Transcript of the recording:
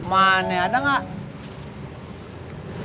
mana ada gak